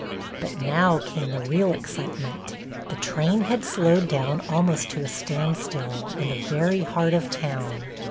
But now came the real excitement. The train had slowed down almost to a standstill, in the very heart of town.